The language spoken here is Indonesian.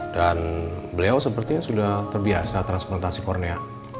dan beliau sepertinya sudah terbiasa transplantasi kornea